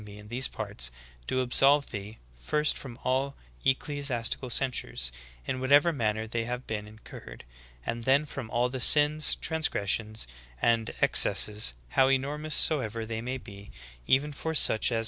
e in these parts, do absolve thee, first from all ecclesi astical censures, in whatever manner they have been in curred ; and then from all the sins, transgressions, and ex cesses, how enormous soever they may be, even for such as a.